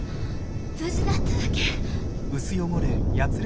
無事だっただけ。